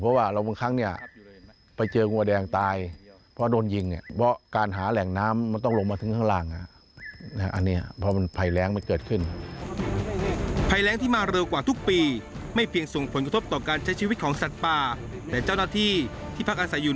เพราะว่าเราบางครั้งนี่ไปเจองัวแดงตาย